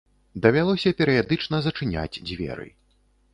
Давялося перыядычна зачыняць дзверы.